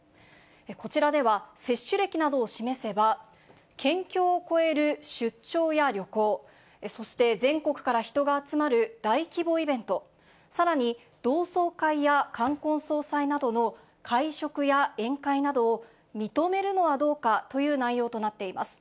こちらでは、接種歴などを示せば、県境を越える出張や旅行、そして全国から人が集まる大規模イベント、さらに同窓会や冠婚葬祭などの会食や宴会などを認めるのはどうかという内容となっています。